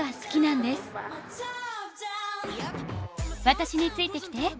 私についてきて。